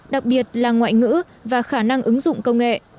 đặc biệt là ngoại ngữ và khả năng ứng dụng công nghệ